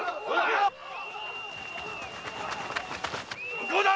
向こうだ！